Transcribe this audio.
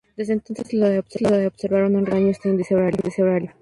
Desde entonces, los observadores han registrado cada año este índice horario.